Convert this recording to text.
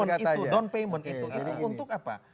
non payment itu untuk apa